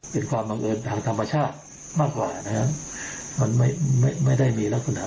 เป็นความบังเอิญทางธรรมชาติมากกว่านะฮะมันไม่ไม่ได้มีลักษณะ